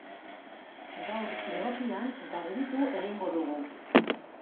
Gaur, irratian, garbitu egingo dugu.